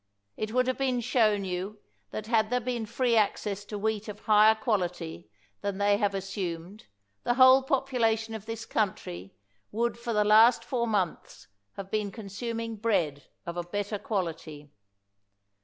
It would have been shown you that had there been free access to wheat of higher quality than they have assumed, the whole population of this country would for the last four months have been consuming bread of a better quality.